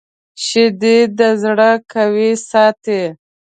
شیدې د زړه قوي ساتي